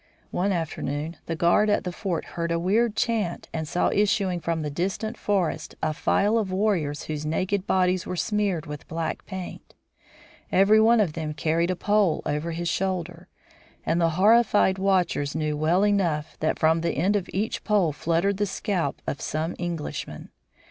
One afternoon the guard at the fort heard a weird chant and saw issuing from the distant forest a file of warriors whose naked bodies were smeared with black paint. Every one of them carried a pole over his shoulder, and the horrified watchers knew well enough that from the end of each pole fluttered the scalp of some Englishman.